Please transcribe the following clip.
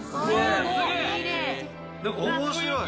面白い。